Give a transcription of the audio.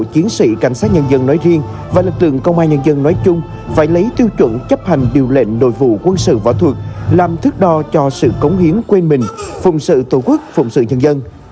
chiến sĩ cảnh sát nhân dân nói riêng và lực tượng công an nhân dân nói chung phải lấy tiêu chuẩn chấp hành điều lệnh nội vụ quân sự võ thuật làm thức đo cho sự cống hiến quê mình phùng sự tổ quốc phùng sự nhân dân